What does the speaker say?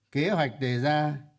kế hoạch đề ra